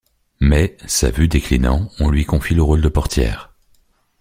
Mais, sa vue déclinant, on lui confie le rôle de portière.